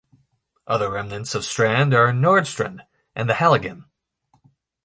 Other remnants of Strand are Nordstrand and the Halligen.